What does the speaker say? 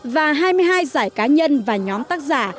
và hai mươi hai giải cá nhân và nhóm tác giả